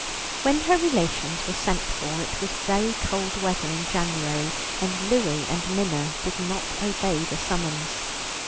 When her relations were sent for, it was very cold weather in January, and Louie and Minna did not obey the summons.